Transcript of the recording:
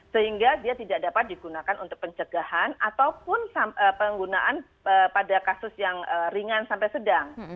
sehingga dia tidak dapat digunakan untuk pencegahan ataupun penggunaan pada kasus yang ringan sampai sedang